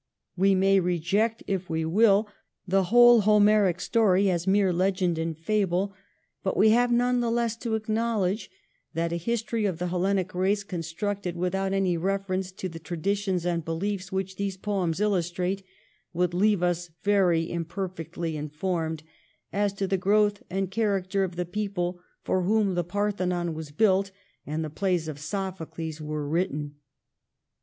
We may reject, if we will, the whole 1707 24 OHHONICLE AND LEGEND. 159 Homeric story as mere legend and fable, but we have none the less to acknowledge that a history of the Hellenic race constructed without any reference to the traditions and beliefs which these poems illustrate would leave us very imperfectly informed as to the growth and character of the people for whom the Parthenon was built and the plays of Sophocles were written.